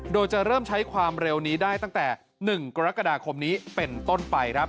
โดยจะเริ่มใช้ความเร็วนี้ได้ตั้งแต่๑กรกฎาคมนี้เป็นต้นไปครับ